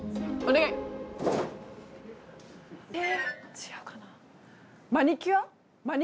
違うかな。